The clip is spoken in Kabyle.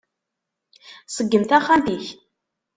Ṣeggem taxxamt-ik!